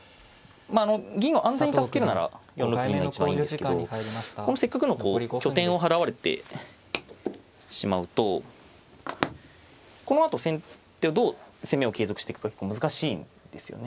銀を安全に助けるなら４六銀が一番いいんですけどこのせっかくの拠点を払われてしまうとこのあと先手はどう攻めを継続していくか難しいんですよね。